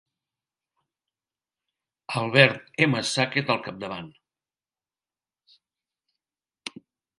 Albert M. Sackett al capdavant.